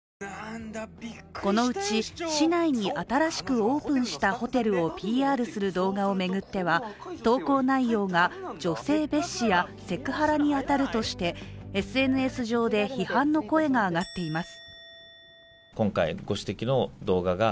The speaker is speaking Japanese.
このうち、市内に新しくオープンしたホテルをＰＲする動画を巡っては投稿内容が女性蔑視やセクハラに当たるとしてＳＮＳ上で批判の声が上がっています。